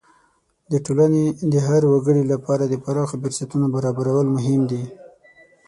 د ټولنې د هر وګړي لپاره د پراخو فرصتونو برابرول مهم دي.